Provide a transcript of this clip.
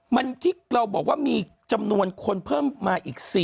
มันที่เราบอกว่ามีจำนวนคนเพิ่มมาอีก๔๐